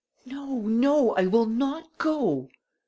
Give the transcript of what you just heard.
"No, no. I will not go."